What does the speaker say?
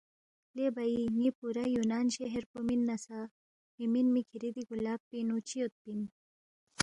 لے بھئی ن٘ی پُورا یُونان شہر پو مِن نہ سہ مِہ مِنمی کِھری دِی گُلاب پِنگ نُو چِہ یودپی اِن؟